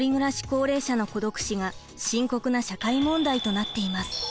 高齢者の孤独死が深刻な社会問題となっています。